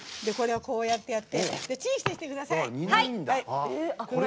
こうやってやってチンしてきてください。